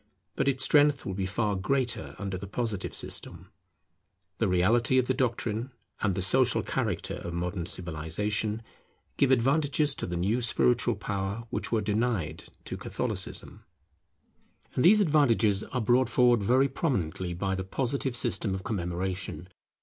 But its strength will be far greater under the Positive system. The reality of the doctrine and the social character of modern civilization give advantages to the new spiritual power which were denied to Catholicism. [Commemoration of great men] And these advantages are brought forward very prominently by the Positive system of commemoration.